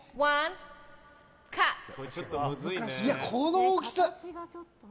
この大きさ。